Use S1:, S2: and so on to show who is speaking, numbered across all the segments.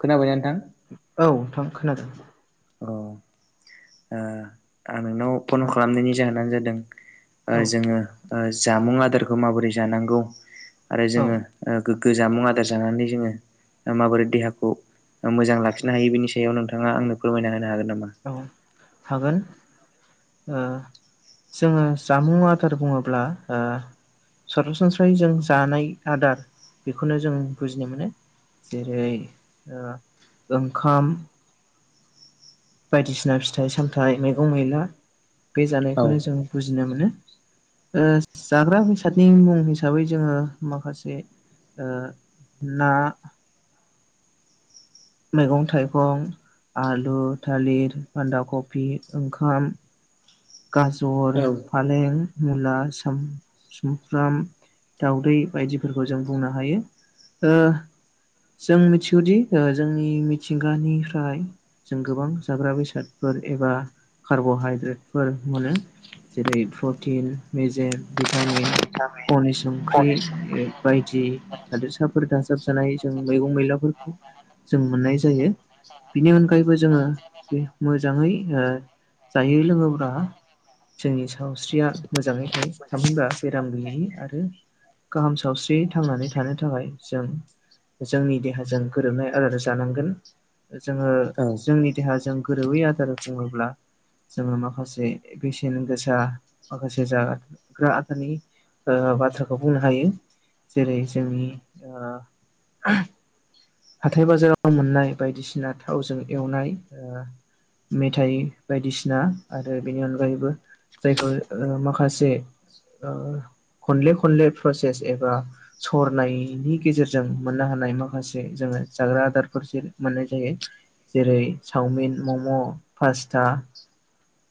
S1: खोनाबाय ना नोंथां?
S2: औ नोंथां खोनादों।
S1: औ ओ आं नोंनाव फन खालामनायनि जाहोनानो जादों ओ
S2: औ
S1: जोङो ओ जामुं आदारखौ माबोरै जानांगौ आरो
S2: औ
S1: जोङो ओ गोग्गो जामुं आदार जानानै जोङो माबोरै देहाखौ मोजां लाखिनो हायो बिनि सायाव नोंथाङा आंनो फोरमायना होनो हागोन नामा?
S2: औ हागोन ओ जोङो जामुं आदार बुङोब्ला सरासनस्रायै जों जानाय आदार बेखौनो जों बुजिनो मोनो। जेरै ओंखाम। बायदिसिना फिथाइ सामथाइ मैगं मैला बे
S1: औ
S2: जानायखौनो जों बुजिनो मोनो। ओ जाग्रा बेसादनि मुं हिसाबै जोङो माखासे ना। मैगं थाइगं आलु थालिर बान्दा खफि ओंखाम। गाजर
S1: औ
S2: फालें मुला सुमफ्राम। दाउदै बायदिफोरखौ जों बुंनो हायो। जों मिथिगौदि जोंनि मिथिंगानिफ्राय जों गोबां जाग्रा बेसादफोर एबा कार्ब'हाइद्रेटफोर मोनो। जेरै प्रटिन मेजेम भिटामिन। खनि संख्रि बायदि हादोरसाफोर दाजाबजानाय जों मैगं मैलाफोरखौ जों मोननाय जायो। बिनि अनगायैबो जोङो बे मोजाङै जायै लोङो बा जोंनि सावस्रिया मोजाङै थायो। थामहिनबा बेराम गोैयि आरो गाहाम सावस्रि थांनानै थानो थाखाय जों जोंनि देहाजों गोरोबनाय आदार जानांगोन। जोङो जोंनि देहाजों गोरोबै आदार बुंङोब्ला जोङो माखासे बेसेन गोसा माखासे जाग्रा आदारनि बाथ्राखौ बुंनो हायो। जेरै जोंनि हाथाइ बाजाराव मोननाय बायदिसिना थावजों एवनाय मेथाइ बायदिसिना आरो बेनि अनगायैबो जायखौ माखासे खनले खनले प्रसेस एबा सरनायनि गेजेरजों मोननो हानाय माखासे जोङो जाग्रा आदारफोरसो मोननाय जायो। जेरै- चावमिन मम' पासता।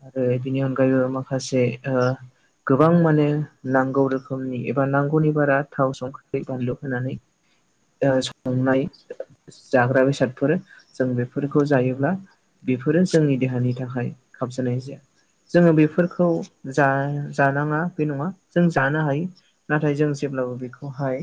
S2: आरो बिनि अनगायैबो माखासे गोबां माने नांगौ रोखोमनि एबा नांगौनि बारा थाव संख्रि बानलु होनानै संनाय जाग्रा बेसादफोर जों बेफोरखौ जायोब्ला बेफोरो जोंनि देहानि थाखाय खाबजानाय जाया। जोङो बेफोरखौ जा जानाङा बे नङा जों जानो हायो। नाथाय जों जेब्लाबो बेखौहाय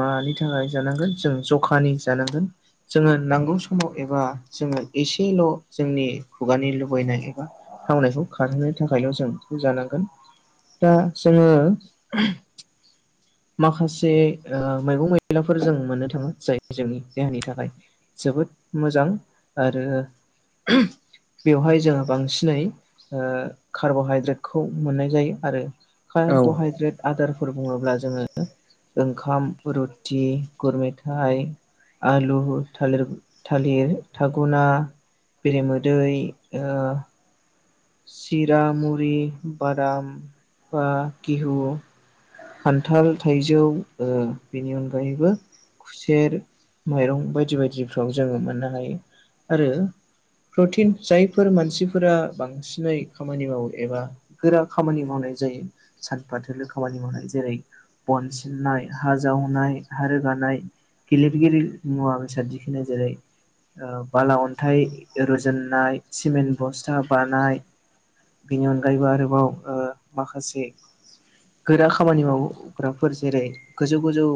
S2: मानि थाखाय जानांगोन? जों जखानि जानांगोन जोङो नांगौ समाव एबा जोङो एसेल' जोंनि खुगानि लुबैनाय एबा थावनायखौ खारहोनो थाखायल' जों जानांगोन दा जोङो माखासे मैगं मैलाफोर जों मोनो थाङो जाय जोंनि देहानि थाखाय जोबोद मोजां आरो बेवहाय जोङो बांसिनै कार्ब'हाइद्रेटखौ मोननाय जायो आरो
S1: औ
S2: कार्ब'हाइद्रेट आदारफोर बुङोब्ला जोङो ओंखाम रुथि गुर मेथाइ थाइ आलु थालिर थालिर थागुना बेरेमोदै चिरा मुरि बादाम बा गेहु खान्थाल थाइजौ बेनि अनगायैबो खुसेर माइरं बायदि बायदिफ्राव जोङो मोननो हायो आरो प्रटिन जायफोर मानसिफोरा बांसिनै खामानि मावो एबा गोरा खामानि मावनाय जायो। सान फाथेल खामानि मावनाय जेरै बन सिननाय हा जावनाय हा रोगानाय गेलेगिरि मुवा बेसाद दिखोननाय जेरै बाला अन्थाइ रुजुननाय सिमेन्ट बस्था बानाय बेनि अनगायैबो आरोबाव ओ माखासे गोरा खामानि मावग्राफोर जेरै गोजौ गोजौ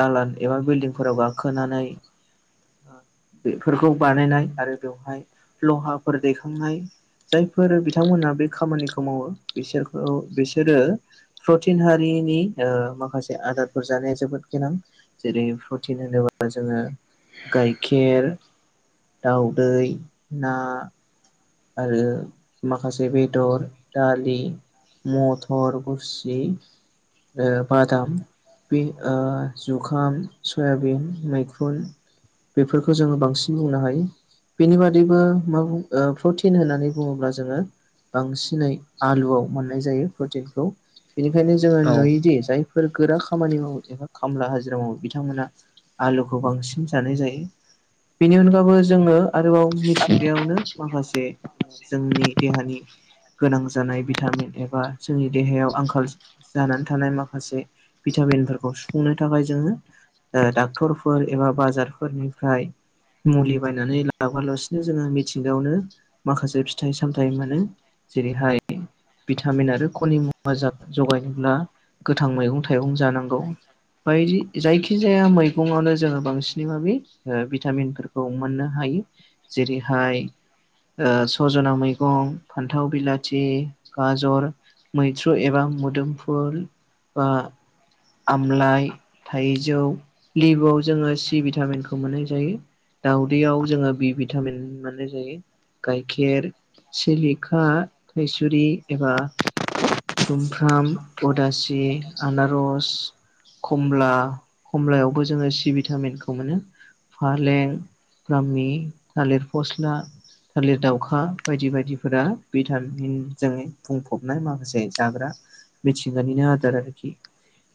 S2: दालान एबा बिल्डिंफोराव गाखोनानै बेफोरखौ बानायनाय आरो बेवहाय लहाफोर दैखांनाय जायफोर बिथांमोनहा बे खामानिखौ मावो बिसोरखौ बिसोरो थिन हारिनि ओ माखासे आदारफोर जानाया जोबोद गोनां जेरै प्रटिन होनोबा जोङो गाइखेर दाउदै ना आरो माखासे बेदर दालि मथर गस्सि आरो बादाम बे ओ जुखाम सयाबिन मैखुन बेफोरखौ जोङो बांसिन बुंनो हायो बेनि बादैबो मा बुं ओ प्रटिन होननानै बुङोब्ला जोङो बांसिनै आलुआव मोननाय जायो प्रटिनखौ बेनिखायनो जोङो नुयोदि जायफोर गोरा खामानि मावो एबा खामला हाजिरा मावो बिथांमोना आलुखौ बांसिन जानाय जायो। बेनि अनगाबो जोङो आरोबाव मिथिंगायावनो माखासे जोंनि देहानि गोनां जानाय भिटामिन एबा जोंनि देहायाव आंखाल जानानै थानाय माखासे भिटामिनफोरखौ सुफुंनो थाखाय जोङो डाक्टरफोर एबा बाजारफोरनिफ्राय मुलि बायनानै लाबोालासिनो जोङो मिथिंगायावनो माखासे फिथाइ सामथायाइ मोनो जेरैहाय भिटामिन आरो खनि मुवा जगायनोब्ला गोथां मैगं थाइगं जानांगौ। बायदि जायखिजाया मैगंआवनो जोङो बांसिनै माबि भिटामिनफोरखौ मोननो हायो जेरैहाय सजना मैगं फान्थाव बिलाथि गाजर मैथ्रु एबा मोदोमफुल बा आमलाइ थाइजौ लिबुआव जोङो सि भिटामिनखौ मोननाय जायो। दाउदैयाव जोङो बि भिटामिन मनाय जायो गाइखेर सिलिक [unintelligible] थुरि एबा सुमफ्राम उदासि आनारस कमला कमलायावबो जोङो सि भिटामिनखौ मोनो फालें ब्रामि थालिर फस्ला थालिर दाउखा बायदि बायदिफोरा भिटामिनजों बुंफबनाय माखासे जाग्रा मिथिंगानिनो आदार आरो खि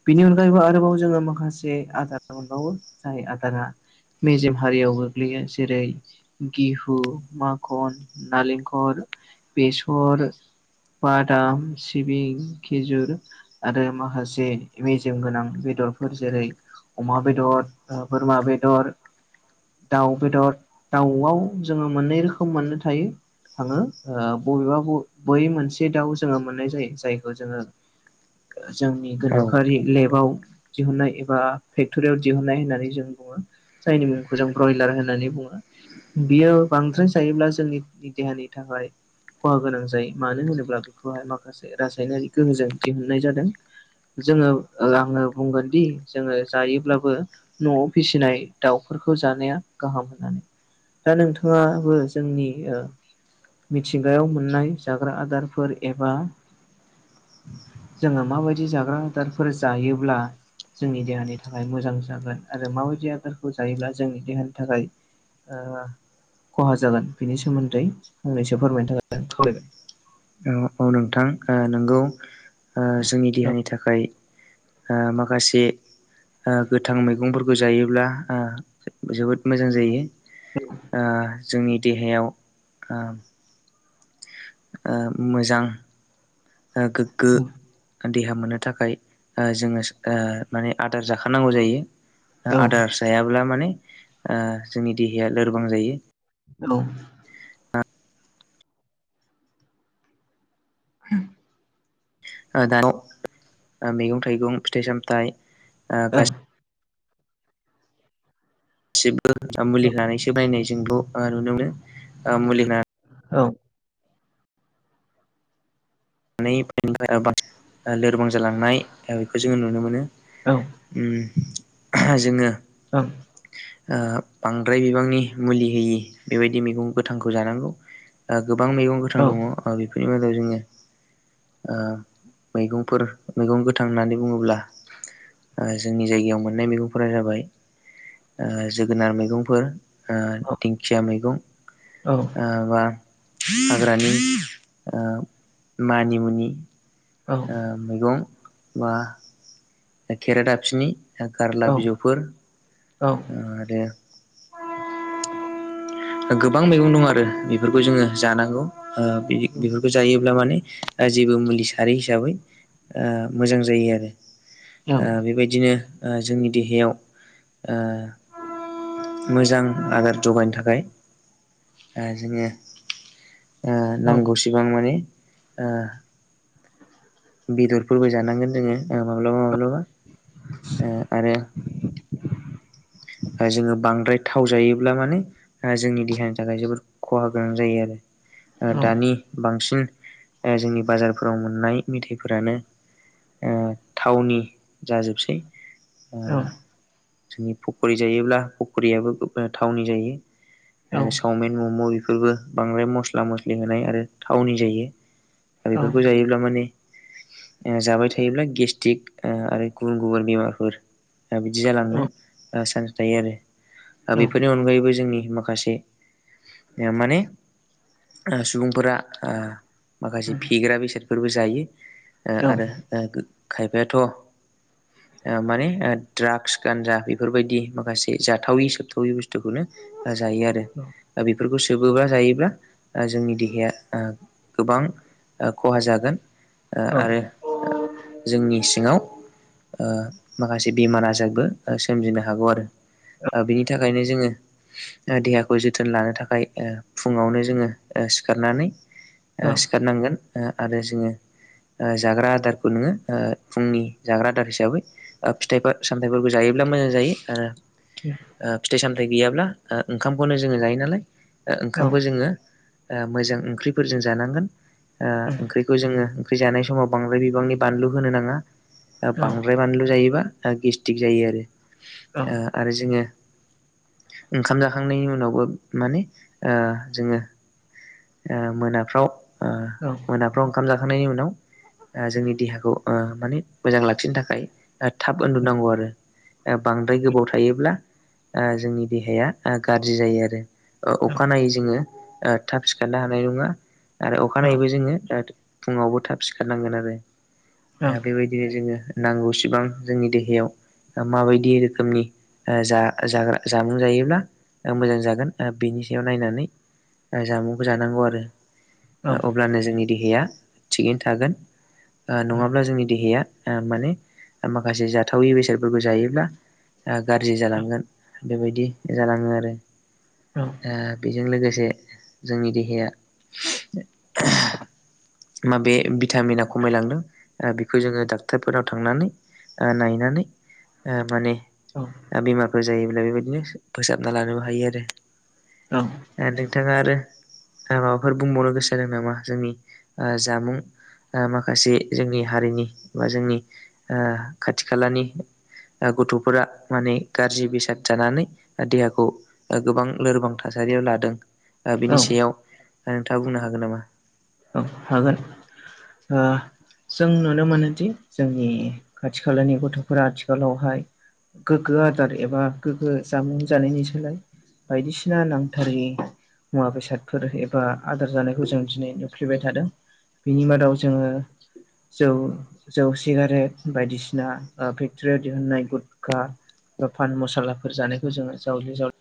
S2: बिनि अनगायैबो आरोबाव जोङो माखासे आदार मोनबावो जाय आदारा मेजेम हारियाव गोग्लैयो जेरै गेहु माखन नारेंखर बेसर बादाम सिबिं खिजुर आरो माखासे मेजेम गोनां बेदरफोर जेरै अमा बेदर ओ बोरमा बेदर दाउ बेदर दाउआव जोङो मोननै रोखोम मोननो थायो। थाङो बबेबा बै मोनसे दाउ जोङो मोननाय जायो जायखौ जोङो
S1: [inaudible]
S2: जोंनि
S1: औ
S2: [unintelligible] लेबाव दिहुननाय एबा फेक्ट'रियाव दिहुननाय होननानै जों बुङो। जायनि मुंखौ जों ब्रयलार होननानै बुङो। बियो बांद्राय जायोब्ला जोंनि देहानि थाखाय खहा गोनां जायो मानो होनोब्ला बेखौहाय माखासे रासायनारि गोहोजों दिहुननाय जादों। जोङो ओ आङो बुंगोन दि जोङो जायोब्लाबो न'आव फिसिनाय दाउफोरखौ जानाया गाहाम होननानै। दा नोंथाङाबो जोंनि ओ मिथिंगायाव मोननाय जाग्रा आदारफोर एबा जोङो माबायदि जाग्रा आदारफोर जायोब्ला जोंनि देहानि थाखाय मोजां जागोन आरो माबायदि आदारखौ जायोब्ला जोंनि देहानि थाखाय ओ खहा जागोन बेनि सोमोन्दै फंनैसो फोरमायनो थाखाय खावलायबाय।
S1: औ अ नोंथां ओ नोंगौ ओ जोंनि देहानि थाखाय ओ माखासे ओ गोथां मैगंफोरखौ जायोब्ला ओ जोबोद मोजां जायो।
S2: औ।
S1: ओ जोंनि देहायाव ओ ओ मोजां ओ गोग्गो देहा मोननो थाखाय ओ जोङो ओ माने आदार जाखानांगौ जायो। ओ
S2: औ
S1: आदार जायाब्ला माने ओ जोंनि देहाया लोरबां जायो।
S2: हेल'। हम।
S1: दान मैगं थाइगं फिथाइ सामथाय गा
S2: औ
S1: गासिबो मुलि होनानैसो बायनाय जोंबो ओ नुनो मोनो ओ मुलि होनानै
S2: औ।
S1: [unintelligible] ओ लोरबां जालांनाय ओ बेखौ जोङो नुनो मोनो।
S2: औ।
S1: ओम आह जोङो
S2: ओं
S1: ओ बांद्राय बिबांनि मुलि होयि बेबायदि मैगं गोथांखौ जानांगौ। ओ गोबां मैगं गोथां दङ बेफोरनि मादायाव जोङो ओ मैगंफोर मैगं गोथां होननानै बुङोब्ला ओ जोंनि जायगायाव मोननाय मैगंफोरा जाबाय ओ जोगोनार मैगंफोर। ओ दिंखिया मैगं ओ बा हाग्रानि ओ मानि मुनि ओ मैगं बा खरेटाफिनि गारला बिजौफोर।
S2: औ
S1: ओ आरो गोबां मैगं दं आरो बेफोरखौ जोङो जानांगौ ओ बे-बेफ जायोब्ला माने जेबो मुलि सारि हिसाबै ओ मोजां जायो आरो। ओ बेबायदिनो ओ जोंनि देहायाव ओ मोजां आदार जगायनो थाखाय जोङो ओ
S2: औ
S1: नांगौसिबां माने ओ बेदरफोरबो जानांगोन जोङो ओ माब्लाबा माब्लाबा ओ आरो जोङो बांद्राय थाव जायोब्ला माने जोंनि देहानि थाखाय जोबोद खहा गोनां जायो आरो ओ दानि बांसिन ओ जोंनि बाजारफोराव मोननाय मेथाइफोरानो ओ थावनि जाजोबसै। ओ जोंनि पकरि जायोब्ला फखरियाबो थावनि जायो। आरो चावमिन मम' बेफोरबो बांद्राय मस्ला मस्लि होनाय आरो थावनि जायो। दा बेफोरखौ जायो अेब्ला माने ओ जाबाय थायोब्ला गेस्टिक ओ आरो गुबुन गुबुन बेमारफोर बिदि जालाङनो ओ चान्स थायो आरो बेफोरनि अनगायैबो जोंनि माखासे। माने सुबुंफोरा ओ माखासे फेग्रा बेसोर फोरबो जायो आरो ओ खायफायाथ' ओ माने ओ द्रागस गानजा बै बेफोरबायदि माखासे जाथावै सोबथावि बुस्थुखौनो जायो आरो दा बे बेफोरखौ सोबोबा जायोब्ला जोंनि देहाया ओ गोबां खहा जागोन आरो जोंनि सिङाव ओ माखासे बेमार आजारबो सोमजिनो हागौ आरो। दा बिनि थाखायनो जोङो देहाखौ जोथोन लानो थाखाय फुङावनो जोङो सिखारनानै ओ सिखारनांगोन आरो जोङो जाग्रा आदारखौ नोङो ओ फुंनि जाग्रा आदार हिसाबै फिथाइफोर सामथायाइफोरबो जायोब्ला मोजां जायो ओ
S2: [inaudible]
S1: ओ फिथाइ सामथायाइ गैयाब्ला ओ ओंखामखौनो जोङो जायो नालाय ओ ओंखामखौ जोङो ओ मोजां ओंख्रिफोरजों जानांगोन ओ ओंख्रिखौ जोङो ख्रि जानाय समाव बांद्राय बिबांनि बानलु होनो नाङा। बांद्राय बानलु जायोबा गेसटिक जायो आरो। ओ आरो जोङो ओंखाम जाखांनायनि उनावबो माने ओ जोङो ओ मोनाफ्राव ओ
S2: औ।
S1: नाफ्राव ओंखाम जाखांनायनि उनाव जोंनि देहाखौ ओ माने मोजां लाखिनो थाखाय थाब उन्दुनांगौ आरो। बांद्राय गोबाव थायोब्ला ओ जोंनि देहाया ओ गाज्रि जायो आरो। अखानायै जोङो ओ थाब सिखारनो हानाय नङा आरो अखानायैबो जोङो फुङावबो थाब सिखारनांगोन आरो। दा बेबाय बिदिनो जोङो नांगौसिबां जोंनि देहायाव ओ माबायदि रोखोमनि जा-जाग्रा-जामुं जायोब्ला मोजां जागोन ओ बेनि सायाव नायनानै जामुं जानांगौ आरो अब्लानो जोंनि देहाया थिगैनो थागोन। ओ नङाब्ला जोंनि देहाया ओ माने माखासे जाथावै बेसादफोरखौ जायोब्ला ओ गाज्रि जालांगोन बेबायदि जालाङो आरो।
S2: औ।
S1: ओ बेजों लोगोसे जोंनि देहाया माबे भिटामिना खमायलांदों बेखौ जोङो डाक्टरफोरनाव थांनानै ओ नायनानै ओ माने दा बेमारफोर जायोब्ला बेबायदिनो फोसाबना लानोबो हायो आरो।
S2: औ।
S1: नोंथाङा आरो माबाफोर बुंबावनो गोसो जादों नामा जोंनि जामुं माखासे जोंनि हारिनि बा जोंनि ओ खाथि खालानि गथ'फोरा माने गाज्रि बेसाद जानानै देहाखौ गोबां लोरबां थासारियाव लादों
S2: औ
S1: बिनि सायाव नोंथाङा बुंनो हागोन नामा?
S2: औ हागोन ओ जों नुनो मोनोदि जोंनि खाथि खालानि गथ'फोरा आथिखालावहाय गोग्गो आदार एबा गोग्गो जामुं जानायनि सोलाय बायदिसिना नांथारै मुवा बेसादफोर एबा आदार जानायखौ जों दिनै नु फ्लेबाय थादों। बेनि मादाव जोङो जौ जौ सिगारेट बायदिसिना फेक्टरियाव दिहुनन्नाय गुुदखा बा पान मसालाफोर जानायखौ जोङो जावले जावले